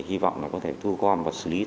hy vọng có thể thu gom và xử lý